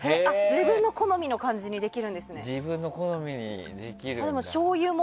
自分の好みの感じにできるんですね。